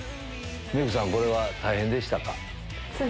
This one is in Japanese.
メークさんこれは大変でしたか？